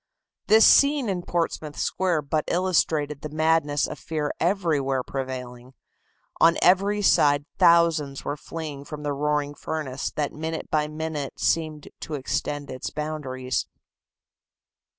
This scene in Portsmouth Square but illustrated the madness of fear everywhere prevailing. On every side thousands were fleeing from the roaring furnace that minute by minute seemed to extend its boundaries.